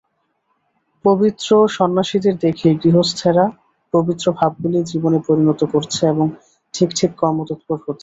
পবিত্র সন্ন্যাসীদের দেখেই গৃহস্থেরা পবিত্র ভাবগুলি জীবনে পরিণত করছে এবং ঠিক ঠিক কর্মতৎপর হচ্ছে।